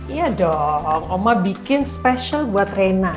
iya dong mama bikin spesial buat rena